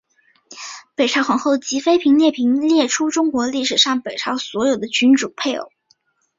北朝皇后及妃嫔列表列出中国历史上北朝所有的君主配偶。